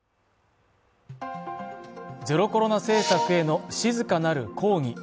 ゼロコロナ政策への静かなる抗議。